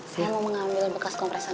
saya mau mengambil bekas kompresor